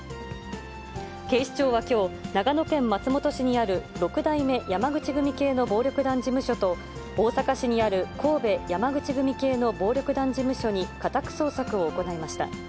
警視庁はきょう、長野県松本市にある六代目山口組系の暴力団事務所と、大阪市にある神戸山口組系の暴力団事務所に家宅捜索を行いました。